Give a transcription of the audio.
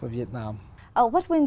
việt nam là một đất nước